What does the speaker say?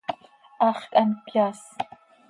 Hax quih hant cöyaas.